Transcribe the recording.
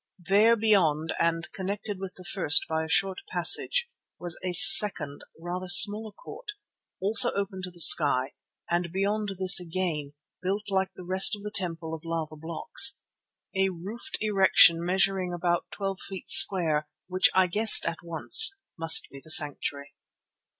There beyond and connected with the first by a short passage was a second rather smaller court, also open to the sky, and beyond this again, built like all the rest of the temple of lava blocks, a roofed erection measuring about twelve feet square, which I guessed at once must be the sanctuary.